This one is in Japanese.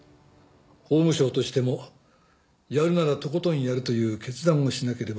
法務省としてもやるならとことんやるという決断をしなければならない。